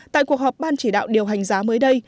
tại cuộc họp ban chỉ đạo điều hành giá mới đây